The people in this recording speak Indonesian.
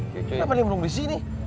kenapa dia nungguin disini